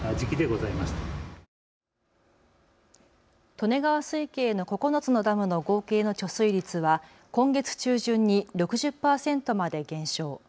利根川水系の９つのダムの合計の貯水率は今月中旬に６０％まで減少。